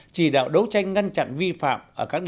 chỉ đạo đấu tranh ngăn chặn vi phạm